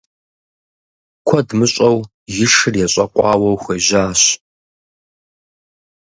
Куэд мыщӏэу и шыр ещӏэкъуауэу хуежьащ.